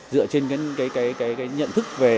dựa trên cái nhận thức về